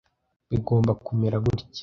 bigomba kumera gutya.